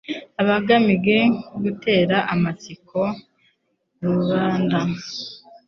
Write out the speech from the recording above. aba agamige gutera amatsiko rubanda